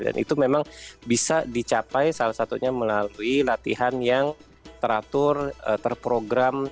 dan itu memang bisa dicapai salah satunya melalui latihan yang teratur terprogram